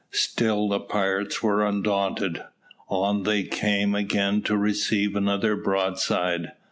Still the pirates were undaunted. On they came, again to receive another broadside.